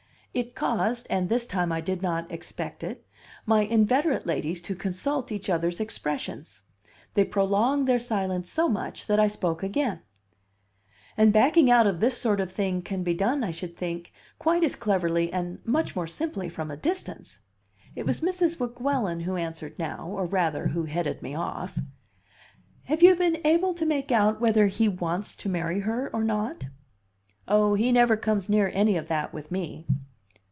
It caused (and this time I did not expect it) my inveterate ladies to consult each other's expressions. They prolonged their silence so much that I spoke again: "And backing out of this sort of thing can be done, I should think, quite as cleverly, and much more simply, from a distance." It was Mrs. Weguelin who answered now, or, rather, who headed me off. "Have you been able to make out whether he wants to marry her or not?" "Oh, he never comes near any of that with me!"